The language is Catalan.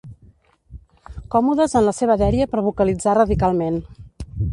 Còmodes en la seva dèria per vocalitzar radicalment.